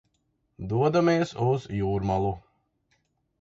Dodamies uz Jūrmalu.